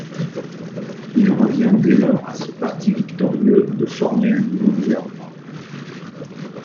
Il revient dès lors à ce parti victorieux de former un nouveau gouvernement.